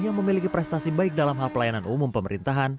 yang memiliki prestasi baik dalam hal pelayanan umum pemerintahan